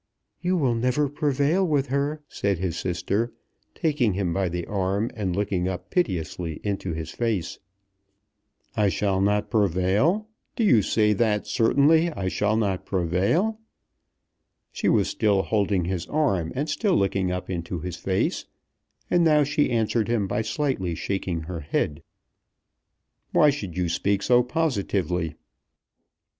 "You will never prevail with her," said his sister, taking him by the arm, and looking up piteously into his face. "I shall not prevail? Do you say that certainly I shall not prevail?" She was still holding his arm, and still looking up into his face, and now she answered him by slightly shaking her head. "Why should you speak so positively?"